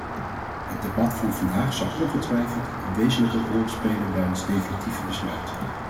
Het debat van vandaag zal ongetwijfeld een wezenlijke rol spelen bij ons definitieve besluit.